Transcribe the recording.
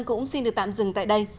cũng xin được tạm dừng tại đây